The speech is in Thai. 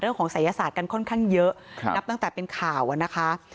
เรื่องของศัยศาสตร์กันค่อนข้างเยอะครับนับตั้งแต่เป็นข่าวอ่ะนะคะ